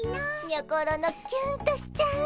にょころのキュンとしちゃう。